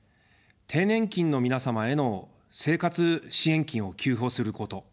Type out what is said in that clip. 低年金の皆様への生活支援金を給付をすること。